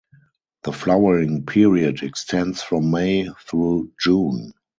The flowering period extends from May through June.